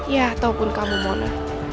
ya ataupun kamu mona